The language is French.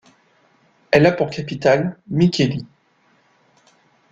Elle a pour capitale Mikkeli.